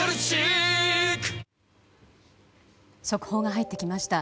速報が入ってきました。